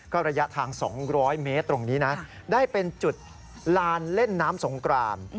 ระยะทาง๒๐๐เมตรตรงนี้นะได้เป็นจุดลานเล่นน้ำสงกราน